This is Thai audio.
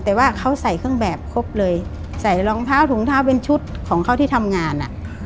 แต่ว่าเขาใส่เครื่องแบบครบเลยใส่รองเท้าถุงเท้าเป็นชุดของเขาที่ทำงานอ่ะ